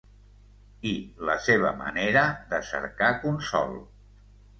I la seva manera de cercar consol...